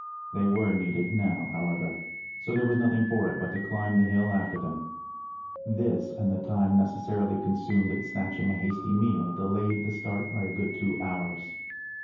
They were needed now, however, so there was nothing for it but to climb the hill after them. This, and the time necessarily consumed in snatching a hasty meal, delayed the start by a good two hours.